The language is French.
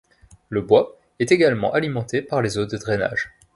Le bois est également alimenté par les eaux de drainage.